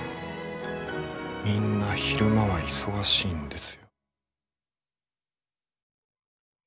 みんな昼間は忙しいんです。